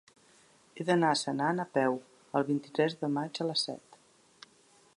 He d'anar a Senan a peu el vint-i-tres de maig a les set.